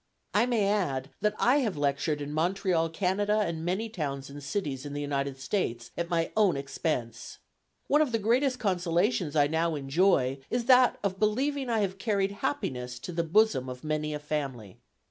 I may add, that I have lectured in Montreal, Canada, and many towns and cities in the United States, at my own expense. One of the greatest consolations I now enjoy is that of believing I have carried happiness to the bosom of many a family.